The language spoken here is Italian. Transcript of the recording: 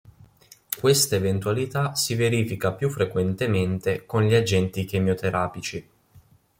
Questa eventualità si verifica più frequentemente con gli agenti chemioterapici.